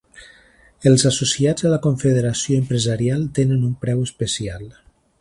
Els associats a la confederació empresarial tenen un preu especial.